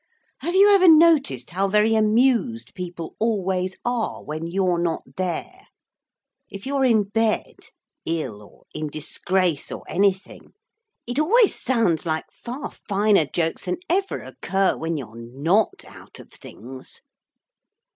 Have you ever noticed how very amused people always are when you're not there? If you're in bed ill, or in disgrace, or anything it always sounds like far finer jokes than ever occur when you are not out of things.